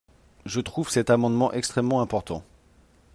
Je trouve cet amendement extrêmement important.